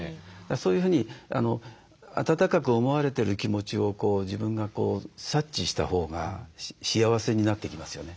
そういうふうに温かく思われてる気持ちを自分が察知したほうが幸せになっていきますよね。